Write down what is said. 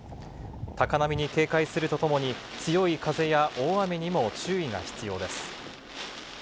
高波に警戒するとともに、強い風や大雨にも注意が必要です。